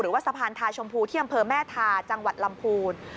หรือว่าสะพานทาชมพูที่อำเภอแม่ทาจังหวัดลำพูน